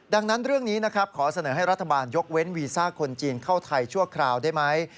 ดังนั้นเรื่องนี้นะครับขอเสนอให้รัฐบาลยกเว้นวีซ่าคนจีนเข้าไทยชั่วคราวได้ไหม